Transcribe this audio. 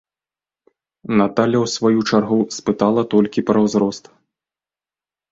Наталля ў сваю чаргу спытала толькі пра ўзрост.